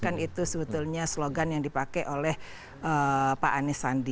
kan itu sebetulnya slogan yang dipakai oleh pak anies sandi